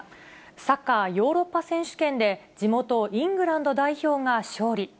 サッカーヨーロッパ選手権で地元、イングランド代表が勝利。